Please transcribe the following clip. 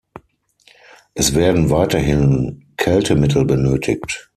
Es werden weiterhin Kältemittel benötigt.